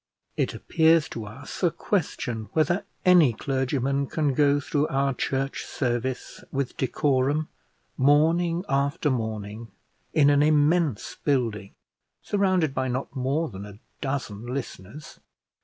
It appears to us a question whether any clergyman can go through our church service with decorum, morning after morning, in an immense building, surrounded by not more than a dozen listeners.